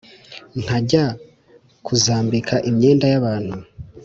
nkajya kuzambika imyenda yabantu